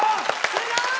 すごーい！